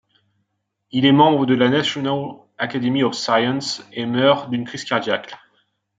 Il est membre de la National Academy of Sciences et meurt d'une crise cardiaque.